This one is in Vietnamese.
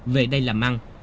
về đây làm ăn